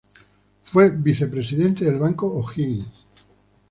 Fue vicepresidente del Banco O'Higgins.